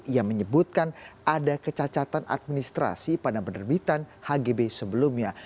ia menyebutkan ada kecacatan administrasi pada penerbitan hgb sebelumnya